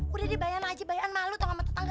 udah dibayang bayang malu sama tetangga